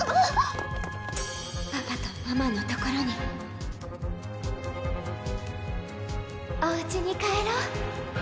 パパとママの所におうちに帰ろう？